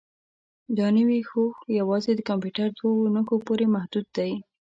دا نوي هوښ یوازې د کمپیوټر دوو نښو پورې محدود دی.